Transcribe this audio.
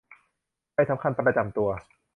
ใบสำคัญประจำตัว